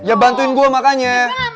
ya bantuin gue makanya